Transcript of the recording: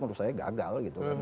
menurut saya gagal gitu kan